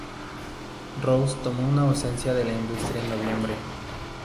Rose tomó una ausencia de la industria en noviembre.